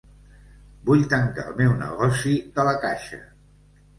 Vull tancar el meu negoci de La Caixa.